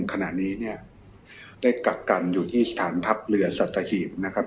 ขณะนี้เนี่ยได้กักกันอยู่ที่สถานทัพเรือสัตหีบนะครับ